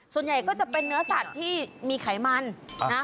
ส่วนใหญ่ก็จะเป็นเนื้อสัตว์ที่มีไขมันนะ